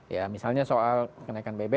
ya misalnya soal kenaikan bbm